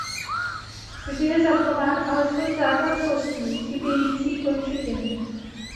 Vždy je zachován alespoň základ kostí chybějící končetiny.